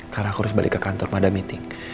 karena aku harus balik ke kantor pada meeting